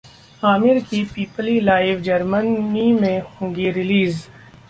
आमिर की ‘Peepli Live’ Germany में होगी रिलीज